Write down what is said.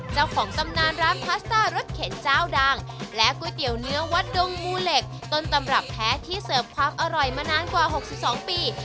ตำนานร้านพาสต้ารสเข็นเจ้าดังและก๋วยเตี๋ยวเนื้อวัดดงมูเหล็กต้นตำรับแท้ที่เสิร์ฟความอร่อยมานานกว่า๖๒ปี